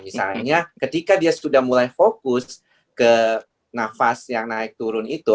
misalnya ketika dia sudah mulai fokus ke nafas yang naik turun itu